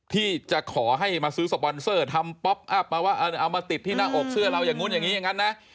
ที่จะขอให้มาซื้อสปอนเซอร์ทำป๊อปอัพมาว่าเอามาติดที่หน้าอกเสื้อเราอย่างนู้นอย่างนี้อย่างนั้นนะ